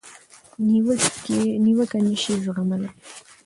نیوکه نشي زغملای.